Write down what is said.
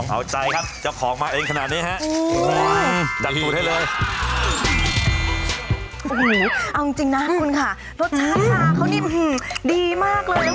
เอาจริงนะคุณค่ะรสชาติชาเขาดีมากเลย